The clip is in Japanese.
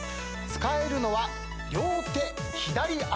使えるのは。